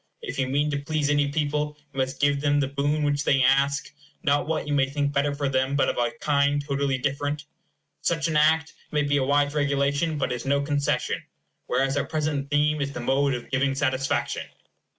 If you mean to please any people you must give them the boon which they ask; not what you may think better for them, but of a kind totally different. Such an act may be a wise regulation, but it is no concession; whereas our present theme is the mode of giving satisfaction.